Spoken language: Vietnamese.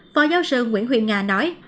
phó giáo sư nguyễn huyện nga nói